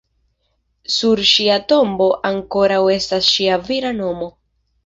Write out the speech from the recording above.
Sur ŝia tombo ankoraŭ estas ŝia vira nomo.